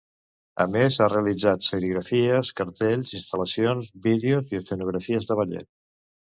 A més ha realitzat serigrafies, cartells, instal·lacions, vídeos i escenografies de ballet.